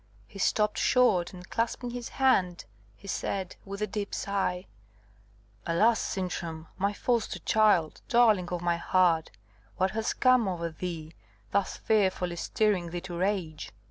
He stopped short, and clasping his hand, he said, with a deep sigh, "Alas, Sintram! my foster child, darling of my heart, what has come over thee, thus fearfully stirring thee to rage?"